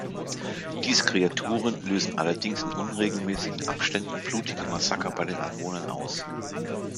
Diese Kreaturen lösen allerdings in unregelmäßigen Abständen blutige Massaker bei den Anwohnern aus.